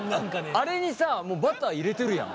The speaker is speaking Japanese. あれにさもうバター入れてるやん。